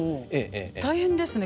大変ですね。